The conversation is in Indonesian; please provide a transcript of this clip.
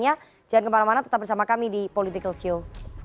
jangan kemana mana tetap bersama kami di political show